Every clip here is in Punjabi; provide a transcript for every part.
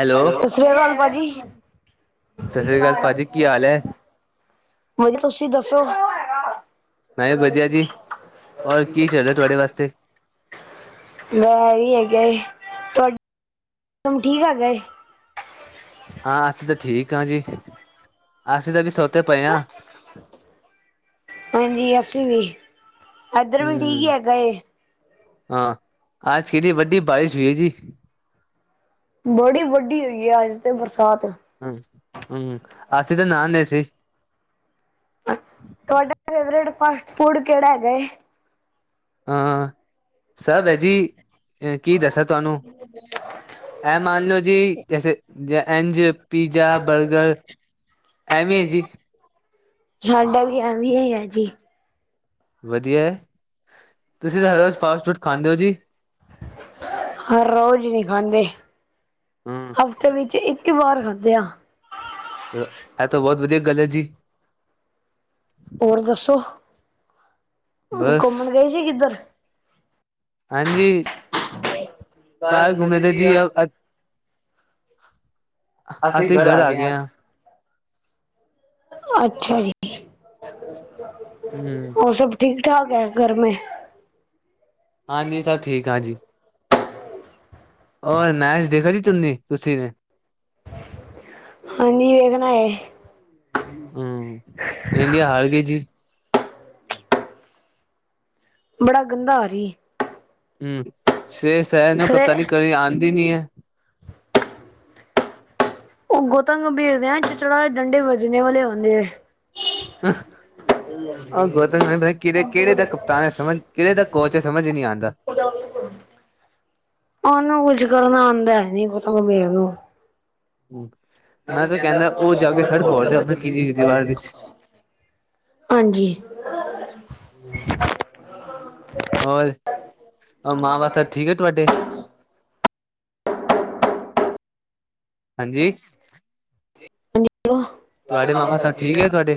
ਹੈਲੋ ਸਸ ਸ੍ਰੀ ਅਕਾਲ ਭਾਜੀ। ਸਤਿ ਸ੍ਰੀ ਅਕਾਲ ਭਾਜੀ ਕੀ ਹਾਲ ਹੈ ਹੋਰ ਜੀ ਤੁਸੀ ਦੱਸੋ? ਮੈਂ ਵੀ ਵਧੀਆ ਜੀ ਔਰ ਕੀ ਚੱਲ ਰਿਹਾ ਤੁਹਾਡੇ ਵਾਸਤੇ [unintelligible] ਦਾ ਐ ਵੀ ਹੈਗਾ ਏ। ਤਮ ਠੀਕ ਕਰ ਗਏ। ਹਾਂ ਅਸੀਂ ਤਾਂ ਠੀਕ ਹਾਂ ਜੀ, ਅਸੀਂ ਤਾਂ ਵੀ ਸੋਤੇ ਪਏ ਹਾਂ। ਹਾਂਜੀ, ਅਸੀ ਵੀ ਇੱਧਰ ਵੀ ਠੀਕ ਹਮ ਹੈਗਾ ਏ। ਹਾਂ, ਆਜ ਕਿਨੀ ਵੱਡੀ ਬਾਰਿਸ਼ ਹੋਈ ਐ ਜੀ। ਬੜੀ ਵੱਡੀ ਹੋਈ ਐ ਅੱਜ ਤੇ ਬਰਸਾਤ। ਹੂੰ, ਹੂੰ। ਅਸੀ ਤੇ ਨਾ ਨੇ ਸੀ। ਤੁਆਡਾ ਫੇਵਰੇਟ ਫਾਸਟ ਫੂਡ ਕੇੜਾ ਹੈਗਾ ਏ? ਹਾਂ, ਸਭ ਐ ਜੀ। ਅ ਕੀ ਦਸਾਂ ਤੁਆਨੂੰ। ਐ ਮਾਨ ਲੋ ਜੀ ਜੈਸੇ ਐਂਝ ਪੀਜ਼ਾ, ਬਰਗਰ ਐਵੇਂ ਈ ਐ ਜੀ। ਸਾਡਾ ਵੀ ਐਵੇਂ ਈ ਐ ਜੀ। ਵਧੀਆ ਐ। ਤੁਸੀ ਤਾਂ ਹਰ ਰੋਜ ਫਾਸਟ ਫੂਡ ਖਾਂਦੇ ਔ ਜੀ। ਹਰ ਰੋਜ਼ ਨਹੀਂ ਖਾਂਦੇ ਹਮ ਹਫ਼ਤੇ ਵਿੱਚ ਇੱਕ, ਇਹ ਬਾਹਰ ਖਾਧਿਆ, ਹੈ ਤਾਂ ਬਹੁਤ ਵਧੀਆ ਗੱਲ ਹੈ ਜੀ। ਹੋਰ ਦੱਸੋ ਬਸ ਘੁੰਮਣ ਗਏ ਸੀ ਕਿੱਧਰ? ਹਾਂਜੀ, ਬਾਹਰ ਘੁੰਮੇ ਤਾਂ ਜੀ। ਅਸੀਂ ਘਰ ਆ ਗਏ ਆ, ਅੱਛਾ ਜੀ, ਹੂੰ। ਹੋਰ ਸਭ ਠੀਕ ਠਾਕ ਹੈ ਘਰ ਮੇ? ਹਾਂਜੀ ਸਭ ਠੀਕ ਹਾਂ ਜੀ। ਰ ਮੈਚ ਦੇਖ ਸੀ ਤੁਨੇ ਤੁਸੀਂ ਨੇ, ਹਾਂਜੀ ਵੇਖਣਾ ਏ, ਹੂੰ, ਇੰਡੀਆ ਹਾਰ ਗਈ ਜੀ। ਬੜਾ ਗੰਦਾ ਹੋਰਿਆ, ਹੂੰ, ਸ਼ੇਰ ਸਹਿਰ ਨੂੰ ਸਰੇ ਕਪਤਾਾਨ ਕਰਨੀ ਆਦੀ ਨੀ ਹੈ। ਓਹ ਗੋਤਮ ਨੂੰ ਭੇਜਦੇ ਆ ਚਿਤੜਾਂ ਤੇ ਡੰਡੇ ਵਜਣੇ ਵਾਲੇ ਹੁੰਦੇ ਐ। [unintelligible] ਆਹ ਗੌਤਮਤਾ ਕੇਹੜੇ ਕੇਹੜੇ ਦਾ ਕਪਤਾਨ ਹੈ, ਸਮਝ ਕੇਹੜੇ ਦਾ ਕੋਚ ਹੈ ਸਮਝ ਨੀ ਆਂਦਾ। ਓਹਨੂੰ ਕੁਝ ਕਰਨਾ ਆਦਾ ਹੈ, ਨੀ ਗੋਤਮ ਗੰਭੀਰ ਨੂੰ। ਹ ਮੈਂ ਤਾਂ ਕਹਿੰਦਾ ਓ ਜਾ ਕੇ ਸਿਰ ਫੋੜਦੇ ਅਪਣਾ ਕਿਸੀ ਦੀਵਾਰ ਵਿੱਚ। ਹਾਂਜੀ। ਹੋਰ ਮਾਂ ਬਾ ਸਬ ਠੀਕ ਐ ਤੁਹਾਡੇ? ਹਾਂਜੀ। ਹੈਲੌ, ਤੁਹਾਡਾ ਤੁਹਾਡੇ ਮਾਂ ਬਾ ਮਾਮਾ ਸਬ ਸਭ ਠੀਕ ਐ। ਹੈ ਤੁਹਾਡੇ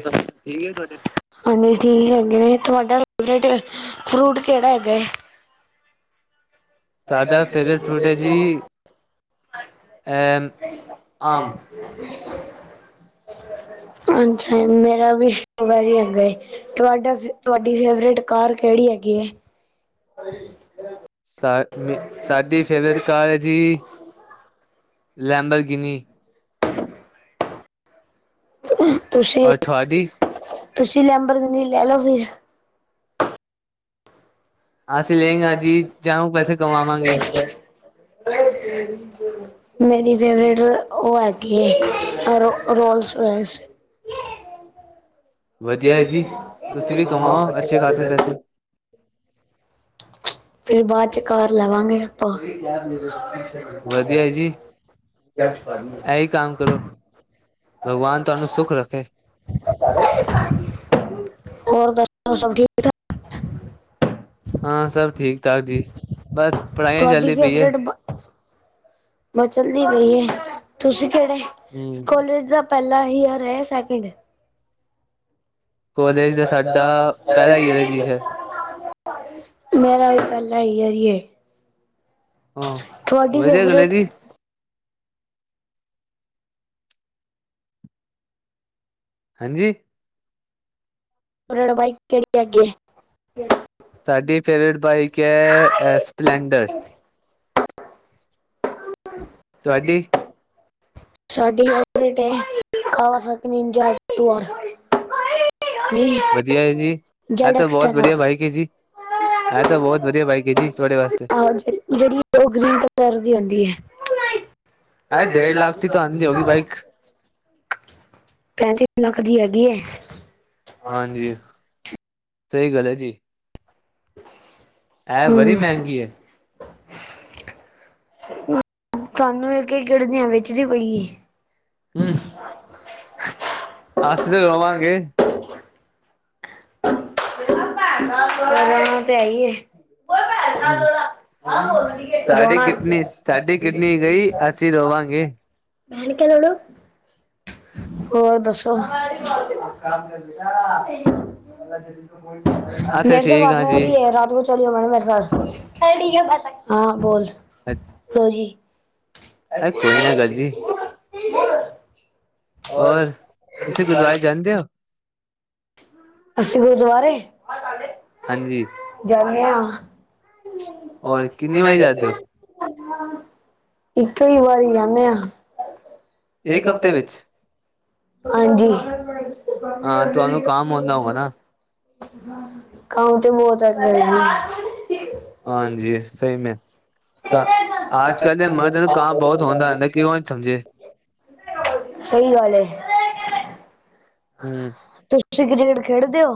ਹਾਂਜੀ ਠੀਕ ਹੈਗੇ ਨੇ, ਤੁਹਾਡਾ ਫੇਵਰੇਟ ਫਰੂਟ ਕੇਹੜਾ ਹੈਗਾ ਐ? [inaudible] ਸਾਡਾ ਫੇਵਰੇਟ ਫਰੂਟ ਹੈ ਜੀ ਅ ਆਮ ਅੱਛਾ, ਮੇਰਾ ਵੀ ਸ਼ੋਕ ਹੈ ਜੀ ਅੱਗੇ। ਤੁਹਾਡਾ, ਤੁਹਾਡੀ ਫੇਵਰੇਟ ਕਾਰ ਕਿਹੜੀ ਹੈਗੀ ਹੈ? [unintelligible] ਸਾ ਮੇ ਸਾਡੀ ਫੇਵਰੇਟ ਕਾਰ ਹੈ, ਜੀ ਲੈਂਬਰ ਗਿਨੀ, [inaudible] ਤੁਸੀਂ, ਔਰ ਤੁਹਾਡੀ ਤੁਸੀਂ ਲੈਂਬਰਨੀ ਲੈ ਲਓ ਫਿਰ। ਅਸੀਂ ਲੈਂਗੇ ਜੀ ਜਾਊ ਪੈਸੇ ਕਮਾਵਾਂਗੇ [unintelligible] ਮੇਰੀ ਫੇਵਰੇਟ ਓਹ ਹੈਗੀ ਏ ਰੋ ਰੋਲਸ ਰੌਏਸ। ਵਧੀਆ ਹੈ ਜੀ ਤੁਸੀਂ ਵੀ ਕਮਾਓ ਅੱਛੇ ਖਾਸੇ [inaudible] ਪੈਸੇ ਫਿਰ ਬਾਦ ਚ ਕਾਰ ਲਵਾਂਗੇ ਆਪਾਂ। [inaudible] ਵਧੀਆ ਹੈ ਜੀ ਇਹੀ ਕੰਮ ਕਰੋ ਭਗਵਾਨ ਤੁਹਾਨੂੰ ਸੁੱਖ ਰੱਖੇ। ਹੋਰ ਦੱਸੋ ਸਭ ਠੀਕ ਠਾਕ? ਹਾਂ ਸਭ ਠੀਕ ਠਾਕ ਜੀ, ਬਸ ਪੜ੍ਹਾਈਆਂ ਚੱਲਦੀ ਪਈ ਏ। ਬ ਚਲਦੀ ਪਈ ਹੈ, ਤੁਸੀ ਕੇਹੜੇ ਹਮ ਕੋਲੇਜ ਦਾ ਪਹਿਲਾ ਹੀ ਯਾ ਰਹੇ ਸੈਕਿੰਡ। [unintelligible] ਕੋਲੇਜ ਦਾ ਸਾਡਾ ਪਹਿਲਾ ਈਅਰ ਹੈ ਜੀ ਸਰ ਮੇਰਾ ਵੀ ਪਹਿਲਾ ਇਅਰ ਈ ਏ। ਹਾਂ ਤੁਹਾਡੀ ਵਧੀਆ ਗੱਲ ਹੈ ਫੇਵਰੇਟ ਜੀ ਹਾਂਜੀ। ਬਾਈਕ ਕੇੜੀ ਹੈਗੀ ਏ? ਸਾਡੀ ਫੇਵਰੇਟ ਬਾਈਕ ਐ ਸਪਲੈਂਡਰ। ਤੁਹਾਡੀ [unintelligible] ਸਾਡੀ ਫੇਵਰੇਟ ਏ, ਕਾਵਾਸਾਕੀ ਨਿਜੋਏ ਟੂ ਆਰ। ਵਧੀਆ ਐ ਜੀ, ਐ ਤੇ ਬਹੁਤ ਐਕਸਟਾ ਦਾ ਵਧੀਆ ਬਾਈਕ ਏ ਜੀ। ਐ ਤੇ ਬਹੁਤ ਵਧੀਆ ਬਾਈਕ ਏ ਜੀ ਤੁਹਾਡੇ ਵਾਸਤੇ। ਹਾਂਜੀ ਜਿਹੜੀ ਉਹ ਗ੍ਰੀਨ ਕਲਰ ਦੀ ਹੁੰਦੀ ਹੈ। ਇਹ ਡੇਢ ਲੱਖ ਦੀ ਤਾਂ ਆਉਂਦੀ ਹੋਗੀ ਬਾਈਕ ਪੈਂਤੀ ਲੱਖ ਦੀ ਹੈਗੀ ਏ। ਹਾਂਜੀ, ਸਹੀ ਗੱਲ ਹੈ ਜੀ। ਇਹ ਬੜੀ ਹੂੰ ਮਹਿੰਗੀ ਹੈ ਸਾਨੂੰ ਇਹ ਕਿ ਕਿੜਨਿਆਂ ਵੇਚਣੀ ਪਈ ਏ। ਹੂੰ ਅਸੀਂ ਤੇ ਰੋਵਾਂਗੇ। ਰੋਣਾ ਤੇ ਹੈ ਈ ਏ। ਹੂੰ ਰੋਣਾ ਸਾਡੀ ਕਿਡਨੀ ਗਈ ਅਸੀਂ ਰੋਵਾਂਗੇ ਜਾਣਕੇ ਰੋ ਲੋ। ਹੋਰ ਦੱਸੋ? ਅੱਛਾ ਮੇਰੇ ਸੇ ਠੀਕ ਬਾਤ ਹਾਂ ਨਾ ਜੀ ਕਰਦੀ ਹੈ ਰਾਤ ਚਲ ਮੈ ਕਿਹਾ ਮੇਰੇ ਸਾਥ ਹਾਂ ਠੀਕ ਏ [unintelligible] ਹਾਂ ਬੋਲ ਅੱਛਾ ਹੋਰ ਜੀ ਕੋਈ ਨਾ ਗੱਲ ਜੀ [unintelligible] ਹੋਰ‌, ਤੁਸੀਂ ਗੁਰਦੁਆਰੇ ਜਾਂਦੇ ਹੋ? ਅਸੀਂ ਗੁਰਦੁਆਰੇ, ਹਾਂਜੀ ਜਾਂਨੇ ਆ। ਕਿੰਨੀ ਵਾਰੀ ਜਾਂਦੇ ਓ? ਇੱਕੋ ਹੀ ਵਾਰੀ ਜਾਂਦੇ ਆ। ਇੱਕ ਹਫ਼ਤੇ ਵਿੱਚ? ਹਾਂਜੀ ਹਾਂ ਤੁਹਾਨੂੰ ਕੰਮ ਹੁੰਦਾ ਹੋਗਾ ਨਾ ਕੰਮ ਤੇ ਬਹੁਤ [unintelligible] ਹਾਂਜੀ ਸਹੀ ਮੇ ਸਾ ਅੱਜਕੱਲ੍ਹ ਦੇ ਮਰਦ ਨੂੰ ਕੰਮ ਬਹੁਤ ਹੁੰਦਾ ਹਦਾ ਕਿਉਂ ਨਾ ਸਮਝੇ। ਸਹੀ ਗੱਲ ਏ। ਹੂੰ ਤੁਸੀ ਕ੍ਰਿਕੇਟ ਖੇਡਦੇ ਹੋ?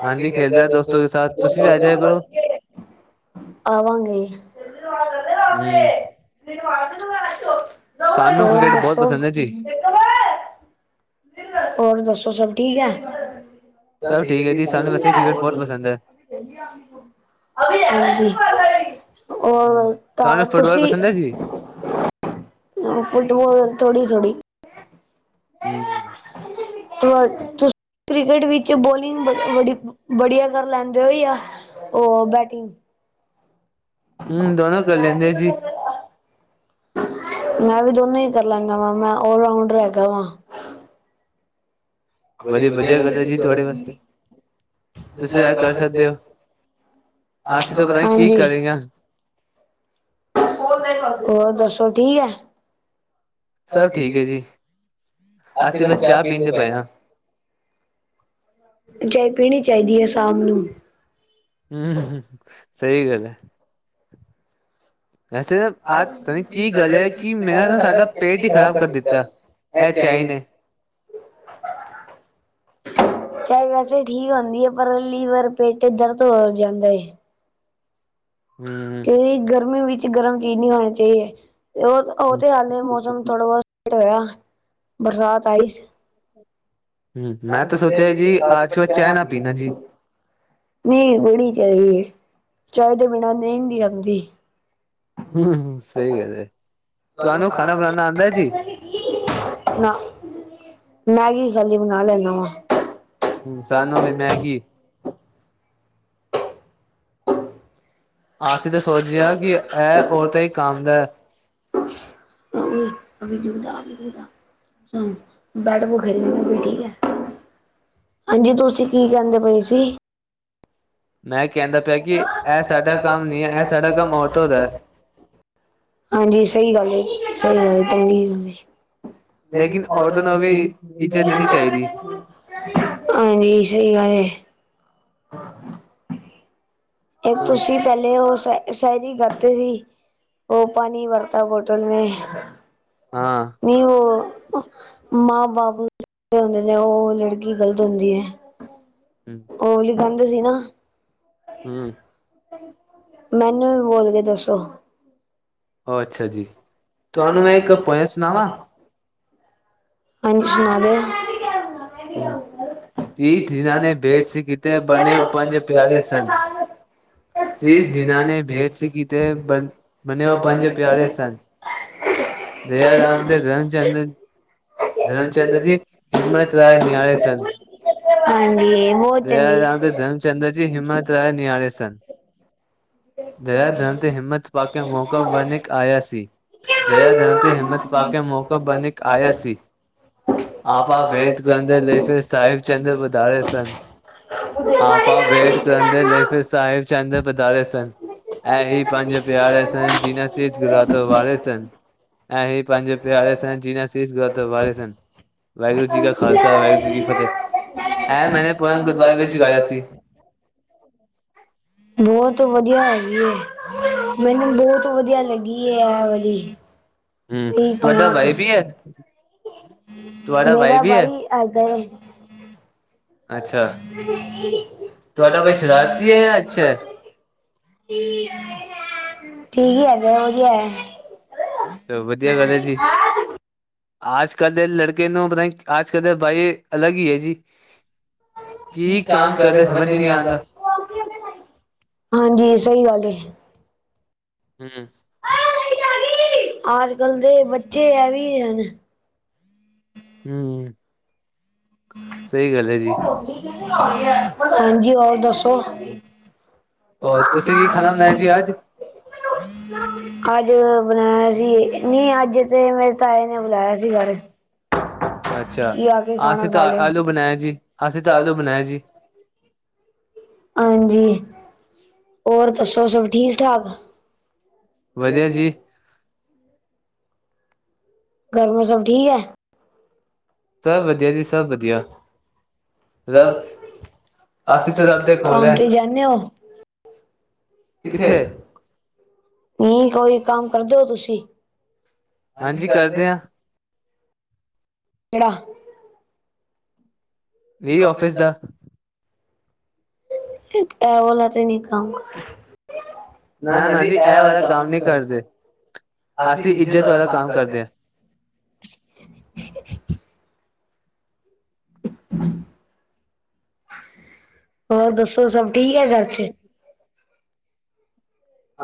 ਹਾਂਜੀ ਖੇਡਦਾ ਦੱਸੋ। ਆਵਾਂਗੇ। [unintelligible] ਸਾਨੂੰ ਹੋਰ ਕ੍ਰਿਕਟ ਬਹੁਤ ਦੱਸੋ ਪਸੰਦ ਹੈ ਜੀ। ਹੋਰ ਦੱਸੋ ਸਭ ਠੀਕ ਹੈ? ਚੱਲ ਠੀਕ ਹੈ ਜੀ ਸਾਨੂੰ ਬਹੁਤ-ਬਹੁਤ ਪਸੰਦ ਏ। ਹਾਂਜੀ, ਹੋਰ ਤੁਹਾਨੂੰ ਤੁਸੀਂ ਫੁਟਬੋਲ ਥੋੜੀ-ਥੋੜੀ। ਹੂੰ ਤੂੰ ਕ੍ਰਿਕਟ ਵਿੱਚ ਬੋਲਿੰਗ ਬੜੀ ਬੜੀ ਬੜੀਆ ਕਰ ਲੈਂਦੇ ਓ ਜਾਂ, ਬੈਟਿੰਗ? ਦੋਨੋਂ ਕਰ ਲੈਂਦੇ ਜੀ [unintelligible] ਮੈਂ ਵੀ ਦੋਨੋਂ ਹੀ ਕਰ ਲਾਂਗਾ ਵਾਂ ਮੈਂ ਲਰਾਉਂਡ ਹੈਗਾ ਵਾਂ ਵਧੀਆ ਵਧੀਆ ਗੱਲ ਹੈ ਜੀ ਤੁਹਾਡੇ ਵਾਸਤੇ ਤੁਸੀਂ ਕਰ ਸਕਦੇ ਹੋ ਅਸੀਂ ਤਾਂ ਪਤਾ ਕੀ ਹਾਂਜੀ ਕਰੇਗਾ। ਹੋਰ ਦੱਸੋ ਠੀਕ ਹੈ? ਹੋਰ ਠੀਕ ਹੈ ਜੀ। ਅਸੀਂ ਬਸ ਚਾਹ ਪੀਂਦੇ ਪਏ ਆ। ਚਾਏ ਪੀਣੀ ਚਾਹੀਦੀ ਹੈ ਸ਼ਾਮ ਨੂੰ। ਹੂੰ ਸਹੀ ਗੱਲ ਹੈ। ਕੀ ਗੱਲ ਹੈ ਕੀ ਪਹਿਲਾਂ ਤਾਂ ਸਾਡਾ ਪੇਟ ਹੀ ਖ਼ਰਾਬ ਕਰ ਦਿੱਤਾ। ਆ ਇਹ ਚਾਏ ਚਾਈ ਨੇ ਚਾਏ ਵੈਸੇ ਠੀਕ ਹੁੰਦੀ ਹੈ ਪਰ ਲੀਵਰ ਪੇਟ ਦਰਦ ਹੋ ਜਾਂਦਾ ਏ। ਕਿਉਕਿ ਗਰਮੀ ਵਿੱਚ ਗਰਮ ਚੀਜ਼ ਨਹੀਂ ਖਾਣੀ ਚਾਹੀਦੀ ਹੈ ਉਹ ਉਹ ਤੇ ਹਾਲੇ ਮੌਸਮ ਹਮ ਥੋੜਾ ਬਹੁਤ ਸਟ ਹੋਇਆ ਬਰਸਾਤ ਮੈਂ ਹੂੰ, ਮੈਂ ਤਾਂ ਸੁਣਿਆ ਸੋਚਿਆ ਸੀ ਜੀ ਆਜ ਚ ਓ ਚਾਹ ਨਾ ਪੀਣਾ ਜੀ। ਨਹੀਂ ਗੜੀ ਚਾਹੀ ਚਾਹੇ ਤੋਂ ਬਿਨਾਂ ਨੀਂਦ ਨਹੀਂ ਆਉਂਦੀ ਹਮ ਸਹੀ ਗਦੇ ਤੁੂੰ ਖਾਲ ਨਾ ਮੈਂਗੀ ਖਾਲੀ ਬਣਾ ਲੈਦਾ ਵਾਂ ਹਮ ਸਾਨੂੰ ਵੀ ਮੈਗੀ ਅਸੀਂ ਤਾਂ [inaudible] ਸੋਚਿਆ ਕਿ ਇਹ ਔਰਤਾਂ ਹੀ ਕੰਮ ਦਾ ਜੂਦਾ ਜਦਾ ਬੈਡ ਭੁਖੇ ਦੇ ਠੀਕ ਹੈ ਹਾਂਜੀ ਤੁਸੀਂ ਕੀ ਕਹਿੰਦੇ ਪਏ ਸੀ ਮੈਂ ਸ ਕਹਿੰਦਾ ਪਿਆ ਕਿ ਇਹ ਕੰਮ ਸਾਡਾ ਕੰਮ ਨੀ ਐ, ਇਹ ਸ ਸਾਡਾ ਕੰਮ ਔਰਤੋਂ ਦਾ ਹੈ। ਆਦਾ ਹਾਂਜੀ ਸਹੀ ਗੱਲ ਸਹੀ ਗੱਲ ਚੰਗੀ ਗ [unintelligible] ਲੇਕਿਨ ਔਰਤਾਂ ਨੂੰ ਵੀ ਇੱਜ਼ਤ ਦੇਣੀ ਚਾਹੀਦੀ। ਹਾਂਜੀ ਸਹੀ ਗੱਲ ਇੱਕ ਹਾਂ, ਤੁਸੀਂ ਪਹਿਲੇ ਉਹ ਸਹਿਰੀ ਕਰਦੇ ਸੀ ਉਹ ਪਾਣੀ ਵਰਤਾ ਬੋਟਲ ਮੈਂ ਹਾਂ, ਨਹੀ ਊ ਮਾਂ ਬਾਪ ਨੂੰ ਹੁੰਦੇ ਨੇ ਉਹ ਲੜਕੀ ਗ਼ਲਤ ਹੁੰਦੀ ਹੈ ਹਮ ਉਹ ਵੀ ਗੰਦ ਸੀ ਨਾ ਹਮ ਮੈਨੂੰ ਵੀ ਬੋਲ ਕੇ ਦੱਸੋ ਉਹ ਅੱਛਾ ਜੀ ਤੁਹਾਨੂੰ ਮੈਂ ਇੱਕ ਪੁਆਇੰਟ ਸੁਣਾਵਾਂ ਪੰਚ ਮ ਦੇ ਹਮ ਤੀ ਜਿਨ੍ਹਾਂ ਨੇ ਬੇਟ ਸੀ ਕੀਤੇ ਬਣੇ ਉਹ ਪੰਜ ਪਿਆਰੇ ਸਨ ਸੀਸ ਜਿਨ੍ਹਾਂ ਨੇ ਬੇਦ ਸੀ ਕੀਤੇ ਬਣੇ ਉਹ ਪੰਜ ਪਿਆਰੇ ਸਨ ਦਿਆ ਰਾਮ ਤੇ ਧਰਮ ਚੰਦ ਧਰਮ ਚੰਦ ਜੀਮ ਨ ਆਲੇ ਸਨ ਹਾਂਜੀ ਬਹੁਤ ਜਯ ਚੰਗੀ ਰਾਮ ਤੇ ਧਰਮਚੰਦਰ ਜੀ ਹਿੰਮਤ ਰਾਏ ਨਿਹਾਰੇੇ ਸਨ ਦਇਆ ਧਰਨ ਤੇ ਹਿੰਮਤ ਪਾ ਕੇ ਮੌਕਾ ਬਣਕ ਆਇਆ ਸੀ ਦਆ ਧੰ ਤੇ ਹਿੰਮਤ ਪਾ ਕੇ ਮੌਕਾ ਬਣੀ ਆਇਆ ਸੀ ਆਪ ਭੇ ਗ੍ਰੰ ਲੇਫੇ ਸਾਹਿਬ ਚੰਦ ਵਧਾਰੇ ਸਨ ਆਪਾ ਵੇਟ ਕਰਨ ਦੇ ਲੈ ਫਿਰ ਸਾਹਿਬ ਚੰਦ ਵਧਾਰੇ ਸਨ ਇਹ ਹੀ ਪੰਜ ਪਿਆਰੇ ਸਨ ਜਿਨ੍ਹਾਂਸੀਰਾਤ ਵਾਲਾਰੇ ਸਨ ਪੰਜ ਪਿਆਰੇ ਸਨ ਜਿ ਗਤ ਹਾਰੇ ਸਨ ਵਾਹਿਗੁਰੂ ਜੀ ਕਾ ਖਾਲਸਾ ਵਾਹਿਗੁਰੂ ਜੀ ਕੀ ਫਤਿਹ ਐਂ ਮੈਨੇ ਆਪ ਗੁਰਦੁਆਰੇ ਵਿੱਚ ਸਿੱਖਿਆ ਸੀ ਬਹੁਤ ਵਧੀਆ ਹੈਗੀ ਮੈਨੂੰ ਬਹੁਤ ਵਧੀਆ ਲੱਗੀ ਇਹ ਵਾਲੀ ਹੂੰ ਸਹੀ ਤੁਹਾਡਾ ਪਾਂਣਾ ਭਾਈ ਵੀ ਹੈ ਤੁ ਤੁਹਾਡਾ ਭਾਈ ਮੇਰਾ ਵੀ ਹੈ ਬਾਈ ਆਗਾਂ ਅ ਅੱਛਾ ਤੁਹਾਡਾ ਬ ਬਾਈ ਸ਼ਰਾਾਂ ਸ਼ਰਾਰਤੀ ਹੈ ਜਾਂ ਹੈ ਅੱਛਾ ਠੀਕ ਹੀ ਉਹ ਕ ਚ ਵਧੀਆ ਗੱਲ ਹੈ ਜੀ ਅਜ ਕੱਲ ਦੇ ਲੜਕੇ ਨੂੰ ਪਤਾ ਅਜ ਕੱਲ ਦੇ ਬਾਈ ਅਲੱਗ ਹੀ ਹੈ ਜੀ ਕੀ ਕੰਮ ਕਰਦੇ ਸਮਝ ਹੀ ਨਹੀਂ ਆਂਦਾ ਹਾਂਜੀ ਸਹੀ ਗੱਲ ਹਮ ਅੱਜ ਕੱਲ ਦੇ ਬੱਚੇ ਐ ਵੀ ਹਨ ਹਮ ਜੀ ਹਾਂਜੀ ਹੋਰ ਦੱਸੋ [unintelligible] ਔਰ ਤੁਸੀਂ ਕੀ ਖਾਣਾ ਬਣਾਇਆ ਜੀ ਅੱਜ ਅੱਜ ਮੈ ਬਣਾਇਆ ਸੀ ਨਹੀਂ ਅੱਜ ਤੇ ਮੇਰੇ ਤਾਏ ਨੇ ਬੁਲਾਇਆ ਸੀ ਬਾਰੇ ਅੱਛਾ ਆਸਿ ਤਾਂ ਆਲੂ ਬਣਾਇਆ ਜੀ ਆਸਿ ਤਾਂ ਆਲੂ ਬਣਾਇਏ ਜੀ ਹਾਂਜੀ ਹੋਰ ਦੱਸੋ ਸਭ ਠੀਕ ਠਾਕ ਵਧੀਆ ਜੀ ਘਰ ਮੇਂ ਸਭ ਠੀਕ ਹੈ ਸਭ ਵਧੀਆ ਜੀ ਸਭ ਵਧੀਆ ਰਬ ਅਸੀ ਅਸੀਂ ਤਾਂ ਚ ਰੱਬ ਦੇ ਕੋਲ ਹੈ ਤੇ ਜਾਂਦੇ ਹੋ ਇੱਥੇ ਕਿੱਥੇ ਨਹੀਂ ਕੋਈ ਕੰਮ ਕਰਦੋ ਤੁਸੀਂ ਹਾਂਜੀ ਕਰਦੇ ਹਾਂ ਅੜਾ ਵੀ ਆਫਿਸ ਦਾ ਇੱਕ ਟਵਲਾ ਤੇ ਨਿਕਾਮ ਨਾ ਨਦੀ ਇਹ ਵਾਲੇ ਕੰਮ ਨਹੀਂ ਕਰਦੇ ਅਸੀਂ ਇੱਜ਼ਤ ਵਾਲਾ ਕੰਮ ਕਰਦੇ ਹੋਰ ਦੱਸੋ ਸਭ ਠੀਕ ਹੈ ਘਰ ਚ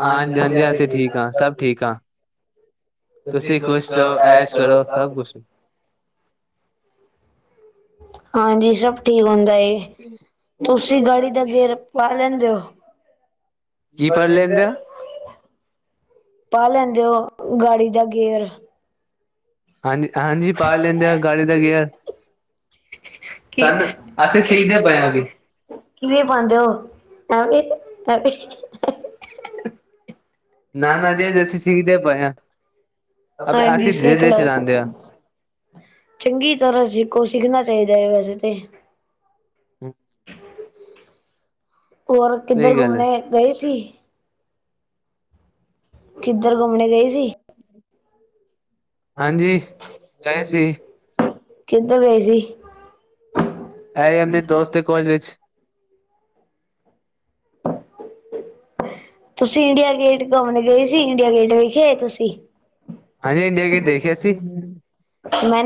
ਹਾਂ ਹਾਂਜੀ ਹਾਂਜੀ ਅਸੀਂ ਠੀਕ ਹਾਂ ਸਭ ਠੀਕ ਹਾਂ ਤੁਸੀਂ ਖ਼ੁਸ਼ ਰਹੋ ਐਸ਼ ਕਰੋ ਸਭ ਕੁਛ ਹਾਂਜੀ ਸਭ ਠੀਕ ਹੁੰਦਾ ਏ [inaudible] ਤੁਸੀਂ ਗਾੜੀ ਦਾ ਗੇਯਰ ਪਾ ਲੈਂਦੇ ਹੋ ਕੀ ਪੜ੍ਹ ਲੈਂਦੇ ਆ ਪਾ ਲੈਂਦੇ ਹੋ ਗਾੜੀ ਦਾ ਗੇਅਰ ਹਾਂਜੀ ਹਾਂਜੀ ਪਾ ਲੈਂਦੇ ਆ ਗਾੜੀ ਦਾ ਗੇਅਰ ਸਾਨੂੰ ਅਸੀੇ ਅਸੀਂ ਸਿੱਖਦੇ ਸੀਦੇ ਪਏ ਹਾਂ ਬੈਗ ਨੂ ਅਭੀ ਕਿਵੇਂ ਪਾਉਂਦੇ ਹੋ ਐਵੇ ਈ ਨਾ ਨਾ ਜੇ ਅਸੀਂ ਸਿੱਖਦੇ ਪਏ ਹਾਂ ਅ ਇਹ ਵੀ ਅਸੀਂ ਧੀਰੇ ਸਿੱਖ ਧੀਰੇ ਲਓ ਚਲਾਉਂਦੇ ਹਾਂ ਚੰਗੀ ਤਰ੍ਹਾਂ ਸੀਖੋ ਸਿੱਖਣਾ ਚਾਹੀਦਾ ਹੈ ਵੈਸੇ ਤੇ [inaudible] ਹੋਰ ਕਿੱਧਰ ਸਹੀ ਗੱਲ ਹੈ ਘੁੰਮਣੇ ਗਏ ਸੀ ਕਿੱਧਰ ਘੁੰਮਣੇ ਗਏ ਸੀ ਹਾਂਜੀ ਗਏ ਸੀ ਕਿੱਧਰ ਗਏ ਸੀ ਆ ਆਪਣੇ ਦੋਸਤ ਦੇ ਕੋਾਲਜ ਵਿੱਚ ਤੁਸੀਂ ਇੰਡੀਆ ਗੇਟ ਘੁੰਮਣ ਗਏ ਸੀ ਇੰਡੀਆ ਗੇਟ ਵਿਖਏ ਤੁਸੀਂ ਹਾਂਜੀ ਇੰਡੀਆ ਗੇਟ ਦੇਖਿਆ ਅਸੀਂ ਮੈਂ